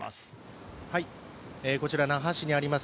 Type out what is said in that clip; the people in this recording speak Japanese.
こちら那覇市にあります